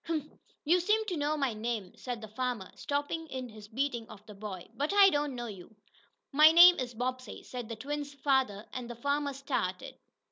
"Huh! You seem to know my name," said the farmer, stopping in his beating of the boy, "but I don't know you." "My name is Bobbsey," said the twins' lather, and the farmer started.